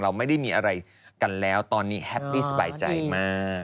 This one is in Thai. ไม่ได้มีอะไรกันแล้วตอนนี้แฮปปี้สบายใจมาก